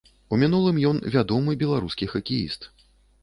У мінулым ён вядомы беларускі хакеіст.